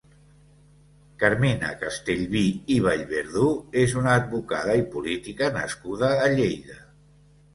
Carmina Castellví i Vallverdú és una advocada i política nascuda a Lleida.